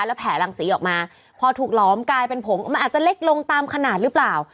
แล้วแผลรังสีออกมาพอถูกหลอมกลายเป็นผงมันอาจจะเล็กลงตามขนาดหรือเปล่า